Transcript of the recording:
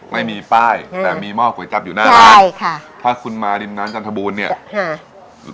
ไม่มีป้ายแต่มีหม้อก๋วยจับอยู่หน้าร้านใช่ค่ะถ้าคุณมาริมน้ำจันทบูรณเนี่ยค่ะ